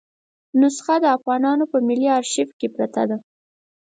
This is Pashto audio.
نسخه د افغانستان په ملي آرشیف کې پرته ده.